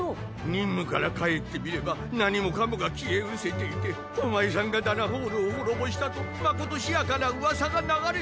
任務から帰ってみれば何もかもが消えうせていてお前さんがダナフォールを滅ぼしたとまことしやかな噂が流れた。